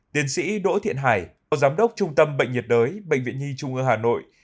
tiến sĩ đỗ thiện hải giám đốc trung tâm bệnh nhiệt đới bệnh viện nhi trung ương hà nội